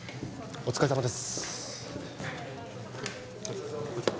お疲れさまです